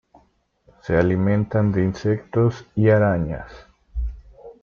Se alimentan de insectos y arañas.